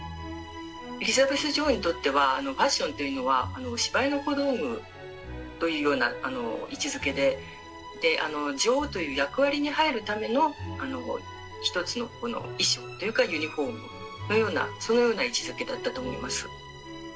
エリザベス女王にとっては、ファッションというのは、芝居の小道具というような位置づけで、女王という役割に入るための一つの衣装というか、ユニホームのような、そのような位置づけだったと思います。